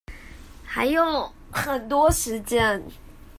還有很多時間